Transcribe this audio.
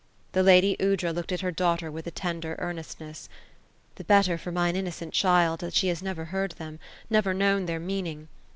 The lady Aoudra looked at her daughter with a tender earnestness. *' The better for mine innocent child, that she has never heard them, never known their meaning.